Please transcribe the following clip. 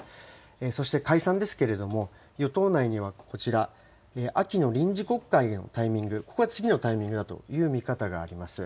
そして解散ですけれども、与党内にはこちら、秋の臨時国会のタイミング、ここが次のタイミングだという見方があります。